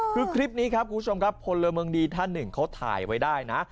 คือคลิปนี้ครับคุณผู้ชมครับพลเมืองดีท่านหนึ่งเขาถ่ายไว้ได้นะ